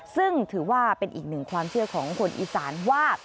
ซึ่งถือว่าเป็นอีกหนึ่งความเชื่อของคนอีสานว่า